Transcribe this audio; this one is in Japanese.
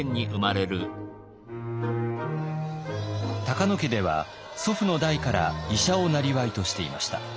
高野家では祖父の代から医者をなりわいとしていました。